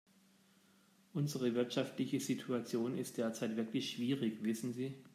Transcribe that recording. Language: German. Unsere wirtschaftliche Situation ist derzeit wirklich schwierig, wissen Sie.